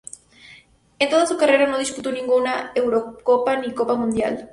En toda su carrera no disputó ninguna Eurocopa ni Copa Mundial.